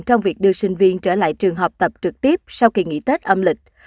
trong việc đưa sinh viên trở lại trường học tập trực tiếp sau kỳ nghỉ tết âm lịch